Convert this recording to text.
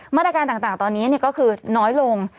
มาตรการต่างตอนนี้ก็คือน้อยลง